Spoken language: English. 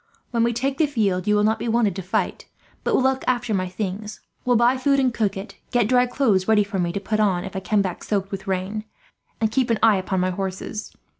When we take the field you will not be wanted to fight, but will look after my things; will buy food and cook it, get dry clothes ready for me to put on if I come back soaked with rain, and keep an eye upon my horses.